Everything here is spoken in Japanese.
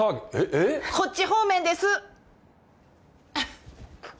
えっ？こっち方面です。